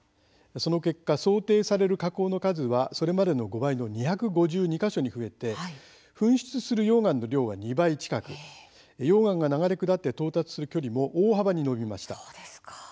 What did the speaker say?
その結果、想定される火口の数はそれまでの５倍の２５２か所に増えて噴出する溶岩の量は２倍近く溶岩が流れ下って到達する距離も大幅に延びました。